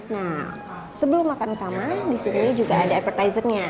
nah sebelum makan utama di sini juga ada advertisingnya